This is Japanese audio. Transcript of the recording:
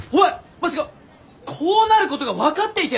まさかこうなることが分かっていて。